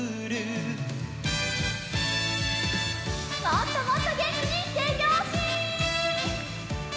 もっともっとげんきにてびょうし！